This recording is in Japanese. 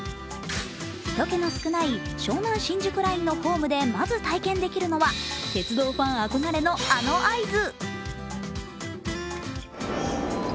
人けの少ない湘南新宿ラインのホームでまず体験できるのは鉄道ファン憧れのあの合図。